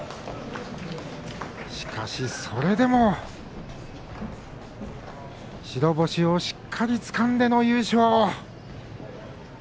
しかし、それでも白星をしっかりとつかんでの優勝。